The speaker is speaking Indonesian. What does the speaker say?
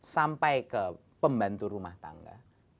sampai ke pembantu rumah tangga